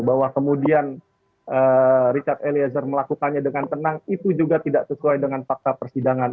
bahwa kemudian richard eliezer melakukannya dengan tenang itu juga tidak sesuai dengan fakta persidangan